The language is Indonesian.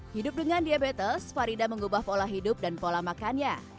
hidup dengan diabetes farida mengubah pola hidup dan pola makannya